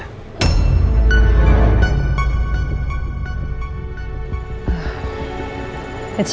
tidak ada apa apa